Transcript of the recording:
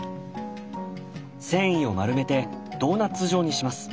繊維を丸めてドーナッツ状にします。